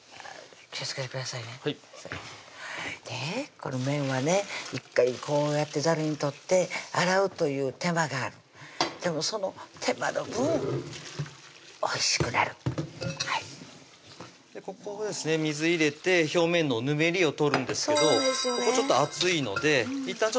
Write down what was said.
この麺はね１回こうやってざるに取って洗うという手間があるでもその手間の分おいしくなるここでですね水入れて表面のぬめりを取るんですけどそうですよね